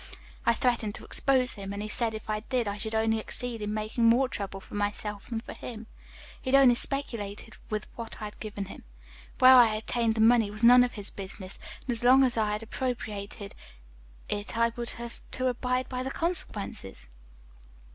I threatened to expose him, and he said if I did I should only succeed in making more trouble for myself than for him. He had only speculated with what I had given him. Where I obtained the money was none of his business, and as long as I had appropriated it I would have to abide by the consequences.